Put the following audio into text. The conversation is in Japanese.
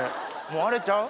もうあれちゃう？